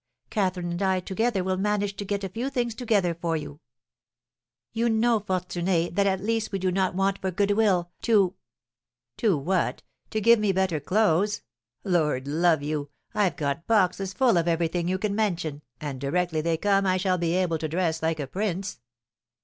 Catherine and I together will manage to get a few things together for you. You know, Fortuné, that at least we do not want for good will to " "To what to give me better clothes? Lord love you, I've got boxes full of everything you can mention, and directly they come I shall be able to dress like a prince!